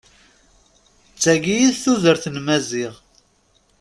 D tayi i tudert n Maziɣ.